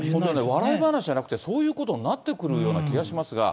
笑い話じゃなくて、そういうことになってくるような気がしますが。